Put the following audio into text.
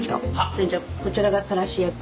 それじゃこちらがたらし焼き。